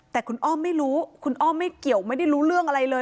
แต่คุณอ้อมไม่รู้คุณอ้อมไม่เกี่ยวไม่ได้รู้เรื่องอะไรเลย